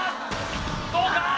どうか！？